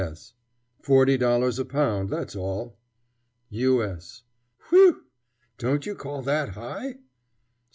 C. S. Forty dollars a pound, that's all. U. S. Whew! Don't you call that high?